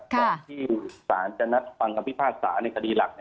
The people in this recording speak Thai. ตอนที่สั้นจะนัดฟังความคิดภาษาในคดีหลัก